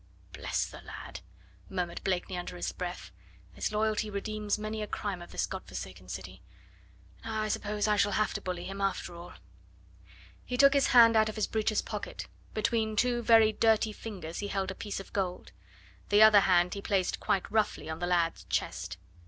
"Bless the lad," murmured Blakeney under his breath; "his loyalty redeems many a crime of this God forsaken city. Now I suppose I shall have to bully him, after all." He took his hand out of his breeches pocket; between two very dirty fingers he held a piece of gold. The other hand he placed quite roughly on the lad's chest.